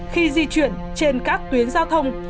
khi di chuyển trên các tuyến giao thông